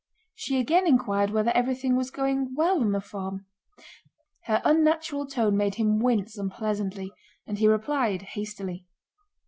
She again inquired whether everything was going well on the farm. Her unnatural tone made him wince unpleasantly and he replied hastily.